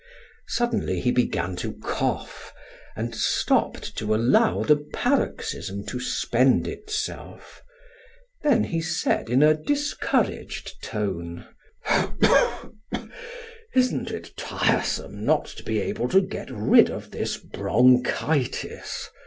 Suddenly he began to cough and stopped to allow the paroxysm to spend itself; then he said in a discouraged tone: "Isn't it tiresome not to be able to get rid of this bronchitis?